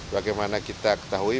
bagaimana kita ketahui